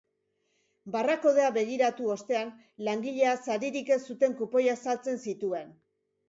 Barra-kodea begiratu ostean, langileak saririk ez zuten kupoiak saltzen zituen.